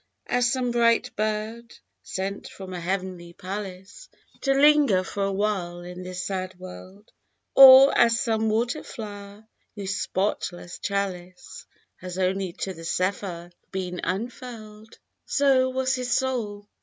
As some bright bird, sent from a heavenly palace To linger for a while in this sad world, Or as some water flower, whose spotless chalice Has only to the zephyr been unfurPd. So was his soul